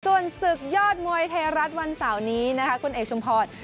ส่วนศึกยอดมวยไทยรัฐวันเสาร์นี้นะคะคุณเอกชุมพร